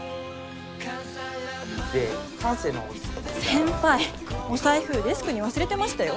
先輩お財布デスクに忘れてましたよ。